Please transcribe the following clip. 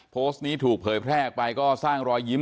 โพสต์นี้ถูกเผยแพร่ออกไปก็สร้างรอยยิ้ม